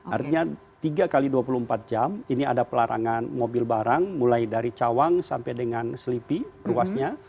artinya tiga x dua puluh empat jam ini ada pelarangan mobil barang mulai dari cawang sampai dengan selipi ruasnya